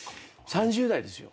３０代ですよ。